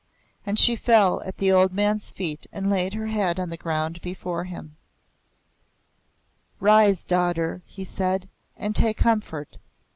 And she fell at the old man's feet and laid her head on the ground before him. "Rise, daughter!" he said, "and take comfort!